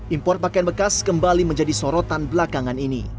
impor pakaian bekas kembali menjadi sorotan belakangan ini